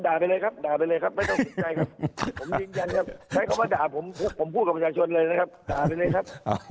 ตายครับด่าไปเลยครับด่าไปเลยครับไม่ต้องสนใจครับ